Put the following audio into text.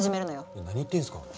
いや何言ってんすか。